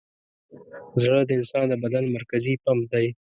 زړه د انسان د بدن مرکزي پمپ دی.